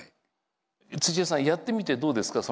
土屋さんやってみてどうですか？